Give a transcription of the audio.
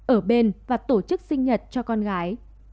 ở bên và tổ chức sinh nhật cho con gái